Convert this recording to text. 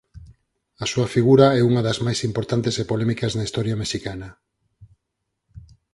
A súa figura é unha das máis importantes e polémicas na historia mexicana.